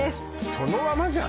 そのままじゃん